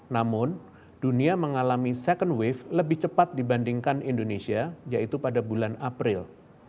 namun dunia mengalami second wave lebih cepat dibandingkan indonesia yaitu pada bulan april